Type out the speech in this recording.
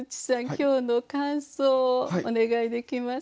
今日の感想をお願いできますか。